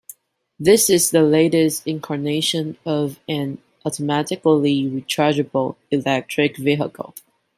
This is the latest incarnation of an automatically rechargeable electric vehicle.